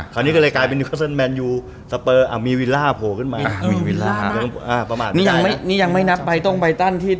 คุดฝนไม่แข็งมันไป๐ไง